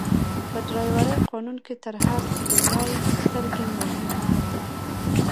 په ډرایورۍ قانون کي تر هر څه لومړئ سترګي مهمه دي.